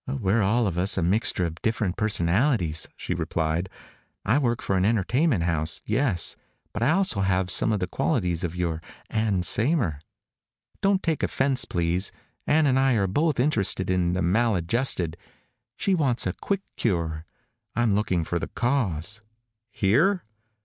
"We're all of us a mixture of different personalities," she replied. "I work for an entertainment house, yes. But I also have some of the qualities of your Ann Saymer. Don't take offense, please. Ann and I are both interested in the maladjusted. She wants a quick cure. I'm looking for the cause." "Here?"